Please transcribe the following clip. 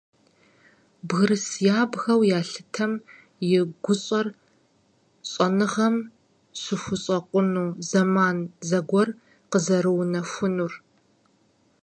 Бгырыс ябгэу ялъытэм и гущӏэр щӏэныгъэм щыхущӏэкъуну зэман зэгуэр къызэрыунэхунур.